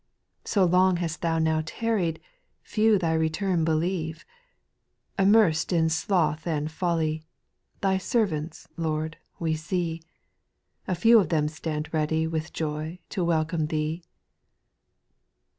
So long hast Thou now tarried, Few Thy return believe : Immersed in sloth and folly, Thy servants. Lord, we see ; And few of them stand ready With joy to welcome Thee.